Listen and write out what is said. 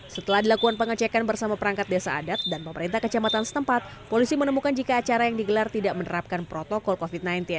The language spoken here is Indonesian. setelah dilakukan pengecekan bersama perangkat desa adat dan pemerintah kecamatan setempat polisi menemukan jika acara yang digelar tidak menerapkan protokol covid sembilan belas